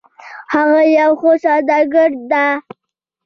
هغه یو ښه سوداګر ده